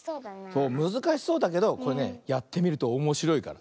そうむずかしそうだけどこれねやってみるとおもしろいから。